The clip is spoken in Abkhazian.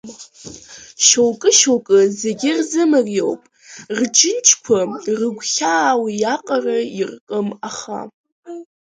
Шьоукы-шьоукы зегьы рзымариоуп, рџьынџьқәа рыгәхьаа уиаҟара иркым аха…